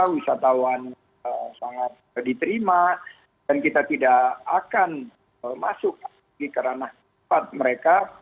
wisatawan sangat diterima dan kita tidak akan masuk ke ranah tempat mereka